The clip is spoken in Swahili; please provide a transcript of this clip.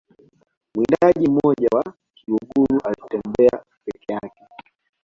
mwindaji mmoja wa kiluguru alitembea peke yake